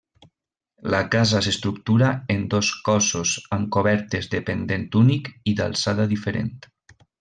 La casa s'estructura en dos cossos amb cobertes de pendent únic, i d'alçada diferent.